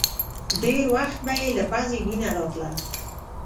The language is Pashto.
ډېر وخت به يې له پزې وينه راتله.